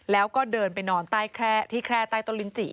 แล้วก็เดินไปนอนที่แคร่ใต้ต้นลิ้นจิ